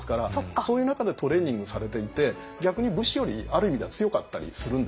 そういう中でトレーニングされていて逆に武士よりある意味では強かったりするんですよね。